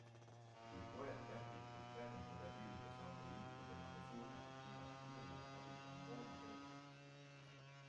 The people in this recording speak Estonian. Kui koer kährikult kärntõve külge saab, ei juhtu temaga suuremat midagi - inimene ravib oma looma terveks.